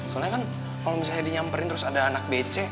soalnya kan kalo misalnya dinyamperin terus ada anak bc